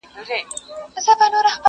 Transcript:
په خامه خوله وعده پخه ستایمه,